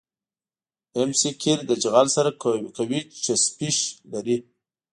ام سي قیر د جغل سره قوي چسپش لري